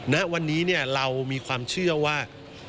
ณวันนี้เรามีความเชื่อว่า